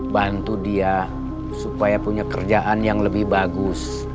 bantu dia supaya punya kerjaan yang lebih bagus